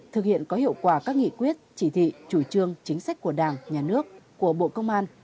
thực hiện có hiệu quả các nghị quyết chỉ thị chủ trương chính sách của đảng nhà nước của bộ công an